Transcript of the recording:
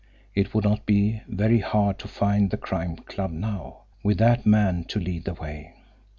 It would not be very hard to find the Crime Club now with that man to lead the way!